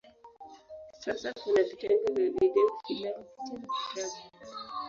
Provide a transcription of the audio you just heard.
Sasa kuna vitengo vya video, filamu, picha na vitabu.